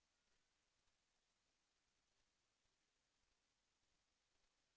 แสวได้ไงของเราก็เชียนนักอยู่ค่ะเป็นผู้ร่วมงานที่ดีมาก